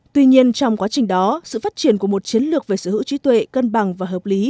tuy nhiên trong quá trình đó sự phát triển của một chiến lược về sở hữu trí tuệ cân bằng và hợp lý